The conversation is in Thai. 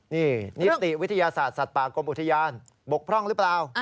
นี่นิติวิทยาศาสตร์สัตว์ป่ากรมอุทยานบกพร่องหรือเปล่า